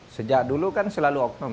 sejak dulu kan selalu oknum